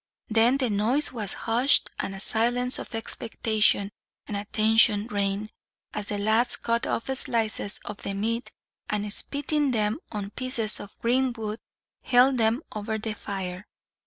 Then the noise was hushed, and a silence of expectation and attention reigned, as the lads cut off slices of the meat and, spitting them on pieces of green wood, held them over the fire.